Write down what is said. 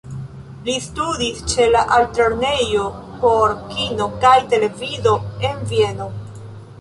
Li studis ĉe la Altlernejo por Kino kaj Televido en Vieno.